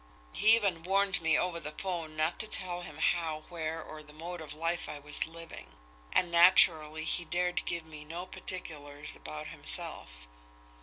He even warned me over the 'phone not to tell him how, where, or the mode of life I was living. And naturally, he dared give me no particulars about himself.